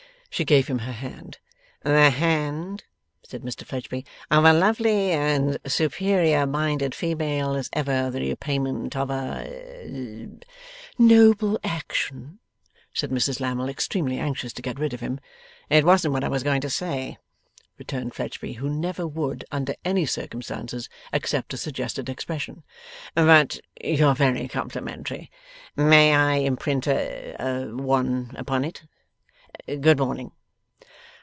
She gave him her hand. 'The hand,' said Mr Fledgeby, 'of a lovely and superior minded female is ever the repayment of a ' 'Noble action!' said Mrs Lammle, extremely anxious to get rid of him. 'It wasn't what I was going to say,' returned Fledgeby, who never would, under any circumstances, accept a suggested expression, 'but you're very complimentary. May I imprint a a one upon it? Good morning!